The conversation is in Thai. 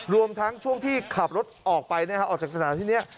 รวมทั้งช่วงที่ขับรถออกไปออกจากสถานที่นี้